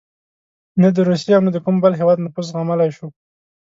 نه د روسیې او نه د کوم بل هېواد نفوذ زغملای شو.